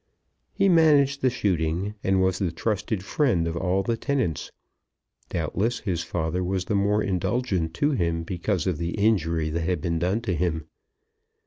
He managed the shooting, and was the trusted friend of all the tenants. Doubtless his father was the more indulgent to him because of the injury that had been done to him.